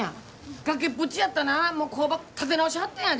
崖っぷちやったな工場立て直しはったんやで！